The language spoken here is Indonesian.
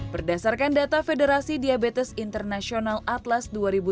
berdasarkan data federasi diabetes international atlas dua ribu tujuh belas